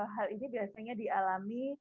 hal ini biasanya dialami